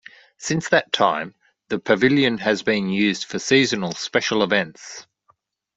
Since that time, the pavilion has been used for seasonal special events.